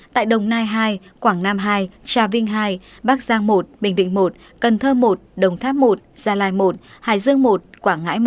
tại đồng nai hai quảng nam hai trà vinh hai bắc giang một bình định một cần thơ một đồng tháp một gia lai một hải dương một quảng ngãi một